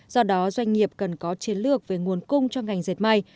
do đó doanh nghiệp cần có chiến lược về nguồn cung cho ngành dệt may